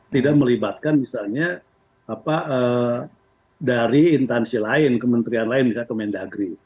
tidak melibatkan misalnya dari intansi lain kementerian lain misalnya ke mendagri